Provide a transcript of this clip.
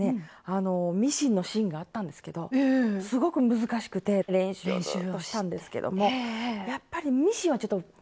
あのミシンのシーンがあったんですけどすごく難しくて練習をずっとしたんですけどもやっぱりミシンはちょっと苦手です。